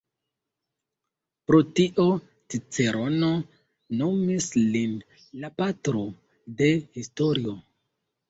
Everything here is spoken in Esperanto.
Pro tio Cicerono nomis lin "la patro de historio".